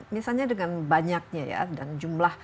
misalnya dengan banyaknya ya dan jumlah